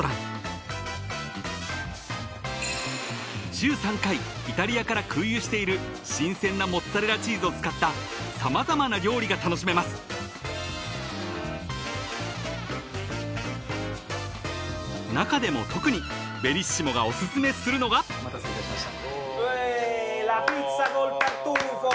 ［週３回イタリアから空輸している新鮮なモッツァレラチーズを使った様々な料理が楽しめます］［中でも特にベリッシモがおすすめするのが］お待たせいたしました。